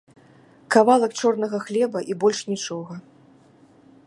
Кавалак чорнага хлеба, і больш нічога.